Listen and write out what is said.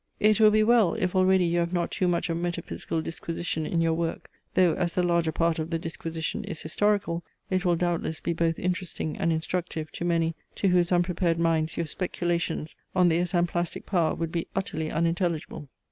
It will be well, if already you have not too much of metaphysical disquisition in your work, though as the larger part of the disquisition is historical, it will doubtless be both interesting and instructive to many to whose unprepared minds your speculations on the esemplastic power would be utterly unintelligible.